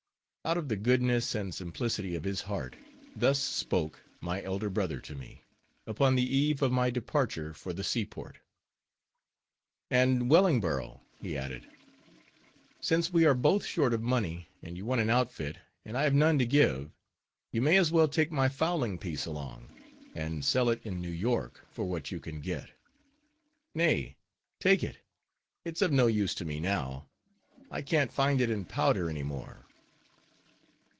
Out of the goodness and simplicity of his heart, thus spoke my elder brother to me, upon the eve of my departure for the seaport. "And, Wellingborough," he added, "since we are both short of money, and you want an outfit, and I Have none to give, you may as well take my fowling piece along, and sell it in New York for what you can get.—Nay, take it; it's of no use to me now; I can't find it in powder any more."